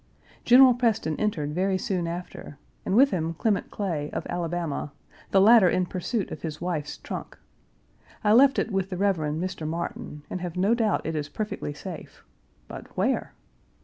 General Preston entered very soon after, and with him Clement Clay, of Alabama, the latter in pursuit of his wife's trunk. I left it with the Rev. Mr. Martin, and have no doubt it is perfectly safe, but where?